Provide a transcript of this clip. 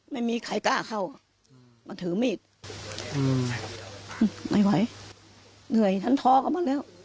ไม่มีใครกล้าเข้ามาถือมีดอืมไม่ไหวเหนื่อยฉันท้อกลับมาแล้ว